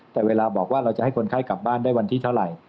แต่เวลาบอกว่าเราจะให้คนไข้กลับบ้านได้วันที่เท่าไหร่